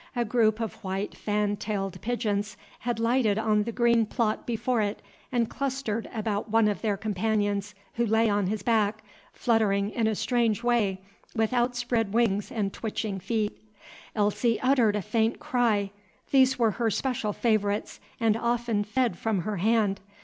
A group of white fan tailed pigeons had lighted on the green plot before it and clustered about one of their companions who lay on his back, fluttering in a strange way, with outspread wings and twitching feet. Elsie uttered a faint cry; these were her special favorites and often fed from her hand.